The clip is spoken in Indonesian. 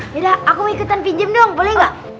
yaudah aku mau ikutan pinjem doang boleh gak